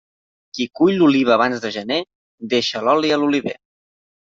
Qui cull l'oliva abans de gener, deixa l'oli a l'oliver.